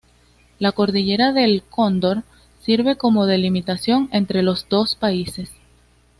La Cordillera del Cóndor sirve como delimitación entre los dos países.